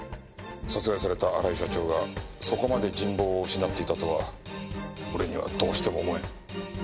殺害された荒井社長がそこまで人望を失っていたとは俺にはどうしても思えん。